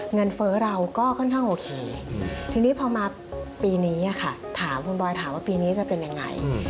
เฟ้อเราก็ค่อนข้างโอเคทีนี้พอมาปีนี้ค่ะถามคุณบอยถามว่าปีนี้จะเป็นยังไง